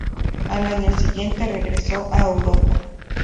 Al año siguiente regresó a Europa.